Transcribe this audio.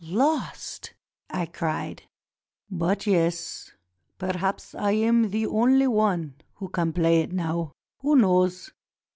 "Lost?" I cried. "But, yes, perhaps I am the only one who can play it now. Who knows?